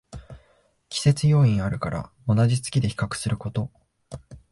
季節要因あるから同じ月で比較すること